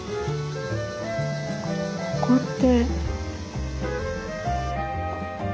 ここって。